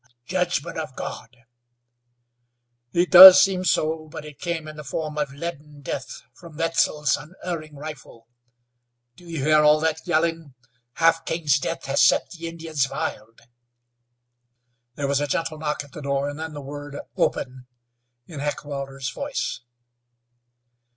"A judgment of God!" "It does seem so, but it came in the form of leaden death from Wetzel's unerring rifle. Do you hear all that yelling? Half King's death has set the Indians wild." There was a gentle knock at the door, and then the word, "Open," in Heckewelder's voice.